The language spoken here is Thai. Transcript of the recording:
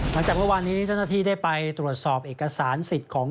หลังจากเมื่อวานนี้เจ้าหน้าที่ได้ไปตรวจสอบเอกสารสิทธิ์ของ